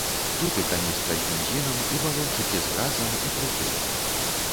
Тут і каністра з бензінам, і балончыкі з газам, і пруты.